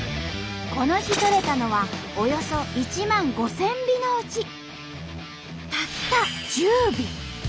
この日とれたのはおよそ１万５，０００尾のうちたった１０尾。